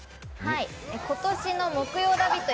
今年の木曜「ラヴィット！」